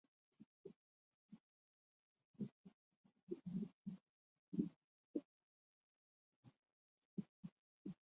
গ্ত্সাং-পা রাজবংশের প্রতিষ্ঠাতা ঝিগ-শাগ-পা-ত্শে-ব্র্তান-র্দো-র্জে গ্ত্সাং অঞ্চল শাসনকারী রিং-স্পুংস-পা রাজবংশের সঙ্গে সম্পর্কিত ছিলেন।